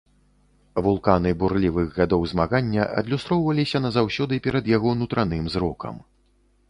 Вулканы бурлівых гадоў змагання адлюстроўваліся назаўсёды перад яго нутраным зрокам.